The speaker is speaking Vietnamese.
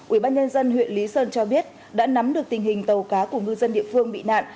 ubnd huyện lý sơn cho biết đã nắm được tình hình tàu cá của ngư dân địa phương bị nạn